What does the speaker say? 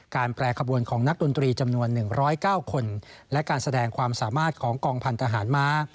แปรขบวนของนักดนตรีจำนวน๑๐๙คนและการแสดงความสามารถของกองพันธหารม้า